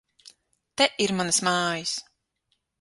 Te ir manas mājas!